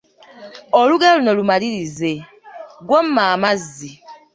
Olugero luno lumalirize: Gw'omma amazzi…